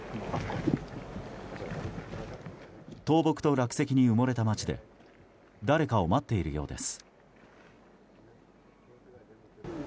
倒木と落石に埋もれた町で誰かを待っているようです。